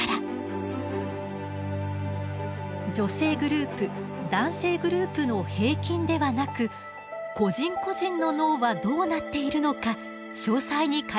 女性グループ男性グループの平均ではなく個人個人の脳はどうなっているのか詳細に解析したのです。